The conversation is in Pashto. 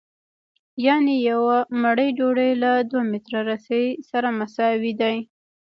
یانې یوه مړۍ ډوډۍ له دوه متره رسۍ سره مساوي ده